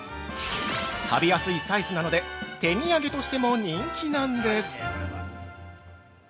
食べやすいサイズなので、手土産としても人気なんです。